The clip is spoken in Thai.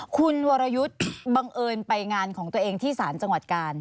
คุณวรยุทธ์บังเอิญไปงานของตัวเองที่ศาลจังหวัดกาล